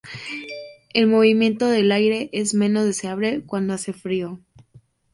El movimiento del aire es menos deseable cuando hace frío.